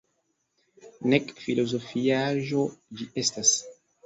Nek filozofiaĵo ĝi estas.